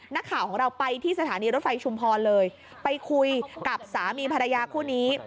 นักข่าวของเราไปที่สถานีรถไฟชุมพรเลยไปคุยกับสามีภรรยาคู่นี้